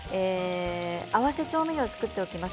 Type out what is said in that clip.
合わせ調味料を作っていきます。